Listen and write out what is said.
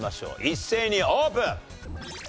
一斉にオープン。